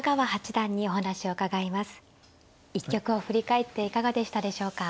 一局を振り返っていかがでしたでしょうか。